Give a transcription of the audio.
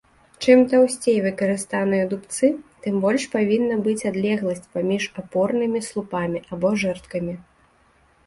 Чым таўсцей выкарыстаныя дубцы, тым больш павінна быць адлегласць паміж апорнымі слупамі або жэрдкамі.